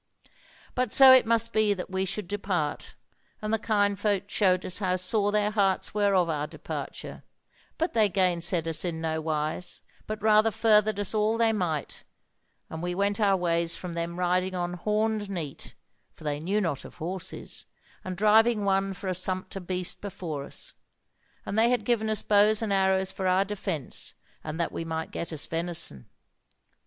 "But so it must be that we should depart, and the kind folk showed us how sore their hearts were of our departure, but they gainsaid us in nowise, but rather furthered us all they might, and we went our ways from them riding on horned neat (for they knew not of horses), and driving one for a sumpter beast before us; and they had given us bows and arrows for our defence, and that we might get us venison.